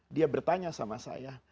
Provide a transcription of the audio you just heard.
dia bertanya sama saya